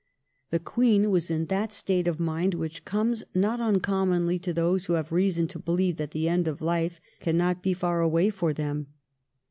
The Queen was in that state of mind which comes not uncommonly to those who have reason to believe that the end of life cannot be far away for them.